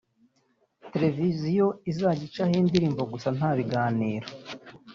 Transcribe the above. televiziyo izajya icaho indirimbo gusa nta biganiro